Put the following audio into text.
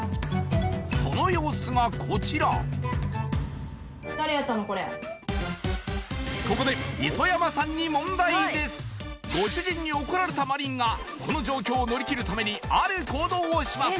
その様子がこちらここでご主人に怒られたマリンがこの状況を乗り切るためにある行動をします